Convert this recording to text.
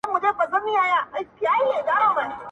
څوك به وران كي د ازل كښلي خطونه!.